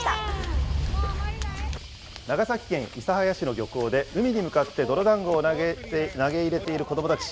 長崎県諫早市の漁港で、海に向かって泥だんごを投げ入れている子どもたち。